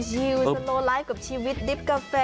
โซโลไลฟ์กับชีวิตดิบกาแฟ